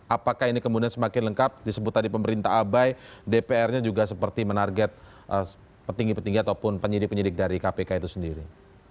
apakah ini kemudian semakin lengkap disebut tadi pemerintah abai dpr nya juga seperti menarget petinggi petinggi ataupun penyidik penyidik dari kpk itu sendiri